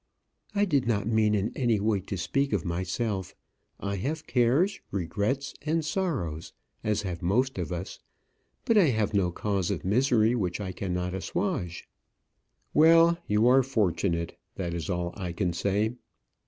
"I did not mean in any way to speak of myself; I have cares, regrets, and sorrows, as have most of us; but I have no cause of misery which I cannot assuage." "Well, you are fortunate; that is all I can say."